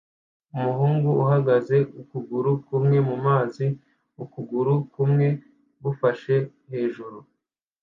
Umuhungu uhagaze ukuguru kumwe mumazi ukuguru kumwe gufashe hejuru